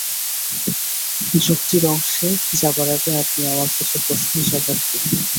যুক্তির অংশে যাবার আগে আপনি আমার কিছু প্রশ্নের জবাব দিন।